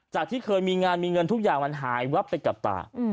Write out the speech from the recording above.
ที่เคยมีงานมีเงินทุกอย่างมันหายวับไปกับตา